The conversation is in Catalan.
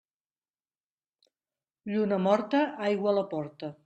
Lluna morta, aigua a la porta.